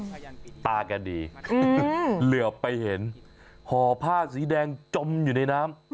ตาแกดีเหลือไปเห็นห่อผ้าสีแดงจมอยู่ในน้ำ